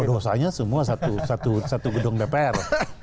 dosanya semua satu gedung dpr